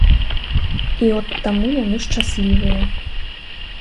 І от таму яны шчаслівыя.